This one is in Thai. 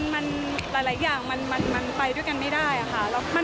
มันหลายอย่างมันไปด้วยกันไม่ได้ค่ะ